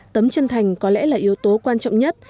tấm chân thành có lẽ là yếu tố quan trọng nhất